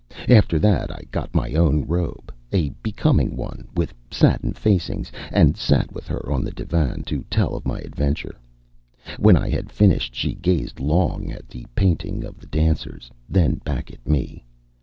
After that I got my own robe a becoming one, with satin facings and sat with her on the divan to tell of my adventure. When I had finished, she gazed long at the painting of the dancers, then back at me.